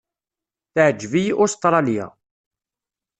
Teɛǧeb-iyi Ustṛalya.